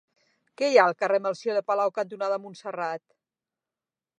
Què hi ha al carrer Melcior de Palau cantonada Montserrat?